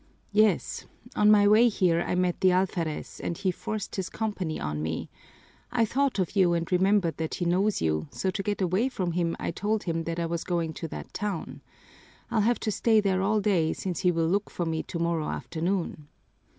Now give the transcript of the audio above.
"Yes. On my way here I met the alferez and he forced his company on me. I thought of you and remembered that he knows you, so to get away from him I told him that I was going to that town. I'll have to stay there all day, since he will look for me tomorrow afternoon."